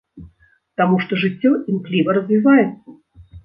Таму што жыццё імкліва развіваецца.